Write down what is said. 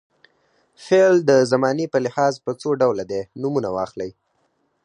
فعل د زمانې په لحاظ په څو ډوله دی نومونه واخلئ.